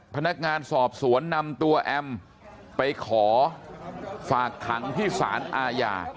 พนักงานสอบสวนนำตัวแอมไปขอฝากขังที่สารอาญา